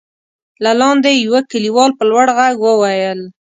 له لاندې يوه کليوال په لوړ غږ وويل: